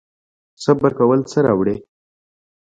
صبر کول څه راوړي؟